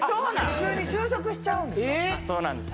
普通に就職しちゃうんだそうなんです